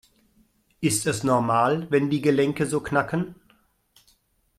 Ist es normal, wenn die Gelenke so knacken?